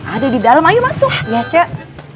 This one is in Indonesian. ada di dalam ayo masuk